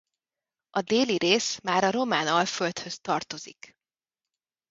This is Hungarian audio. A déli rész már a Román-alföldhöz tartozik.